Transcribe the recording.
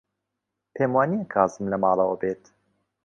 پێم وانییە کازم لە ماڵەوە بێت.